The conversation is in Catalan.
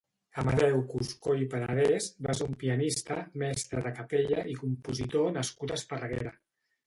Amadeu Cuscó i Panadès va ser un pianista, mestre de capella i compositor nascut a Esparreguera.